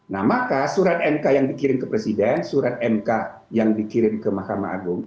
nah maka surat mk yang dikirim ke presiden surat mk yang dikirim ke mahkamah agung